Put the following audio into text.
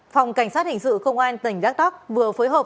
phòng cảnh sát hình sự công an tỉnh đắk lắc vừa phối hợp